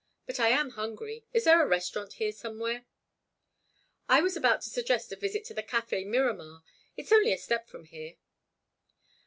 But I am hungry. Isn't there a restaurant here, somewhere?" "I was about to suggest a visit to the Café Miramar. It is only a step from here."